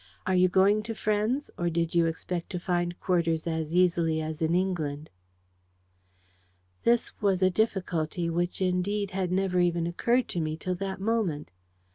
Are you going to friends, or did you expect to find quarters as easily as in England?" This was a difficulty which, indeed, had never even occurred to me till that moment.